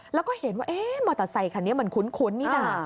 แล้วก็เห็นว่าเอ๊ะมอเตอร์ไซคันนี้มันคุ้นนี่นะ